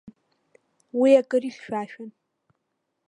Уи акыр ихьшәашәан.